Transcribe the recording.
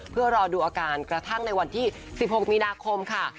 เพื่อรอดูอาการกระทั่งในวันที่๑๖มีนาคมค่ะ